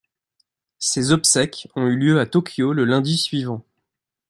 Ses obsèques ont eu lieu à Tokyo le lundi suivant.